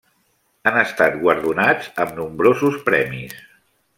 Han estat guardonats amb nombrosos premis.